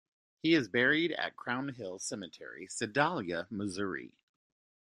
He is buried at Crown Hill Cemetery, Sedalia, Missouri.